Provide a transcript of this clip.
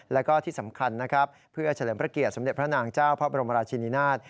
แล้วก็ที่สำคัญนะครับเพื่อเฉลิมพระเกียรติสมเด็จพระนางเจ้าพระบรมราชินินาศ